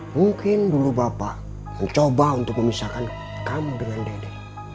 mungkin dulu bapak mencoba untuk memisahkan kamu dengan dede